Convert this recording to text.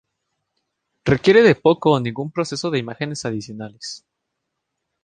Requiere de poco o ningún proceso de imágenes adicionales.